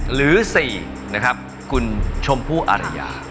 หรือ๔คุณชมพู่อริยา